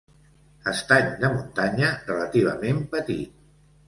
Estany de muntanya relativament petit.